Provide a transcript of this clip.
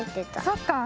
そっかあ。